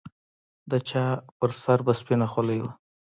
د چا پر سر به سپينه خولۍ وه.